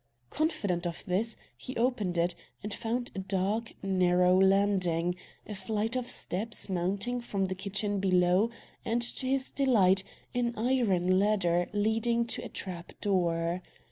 Confident of this, he opened it, and found a dark, narrow landing, a flight of steps mounting from the kitchen below, and, to his delight an iron ladder leading to a trap door.